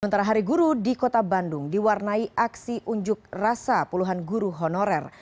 sementara hari guru di kota bandung diwarnai aksi unjuk rasa puluhan guru honorer